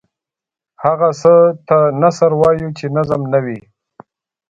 هغه څه ته نثر وايو چې نظم نه وي.